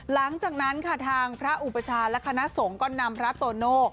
หลังจากนั้นค่ะทางพระอุปชาและคณะสงฆ์ก็นำพระโตโน่